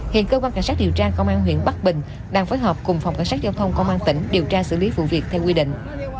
hiện cơ quan cảnh sát điều tra công an huyện bắc bình đang phối hợp cùng phòng cảnh sát giao thông công an tỉnh điều tra xử lý vụ việc theo quy định